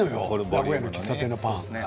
名古屋の喫茶店のパン。